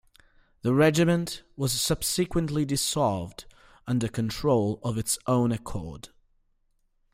The regiment was subsequently dissolved under control of its own accord.